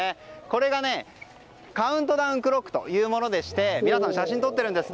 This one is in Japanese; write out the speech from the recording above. これがカウントダウン・クロックというものでして皆さん、写真を撮っています。